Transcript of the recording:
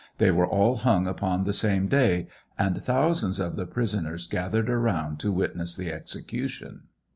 They were all hung upon the same day, and thousands of the prisoners gathered around to witness the execution.